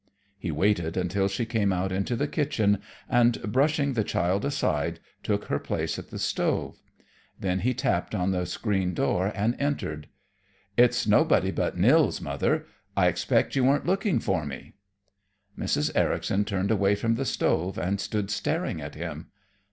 He waited until she came out into the kitchen and, brushing the child aside, took her place at the stove. Then he tapped on the screen door and entered. "It's nobody but Nils, Mother. I expect you weren't looking for me." Mrs. Ericson turned away from the stove and stood staring at him.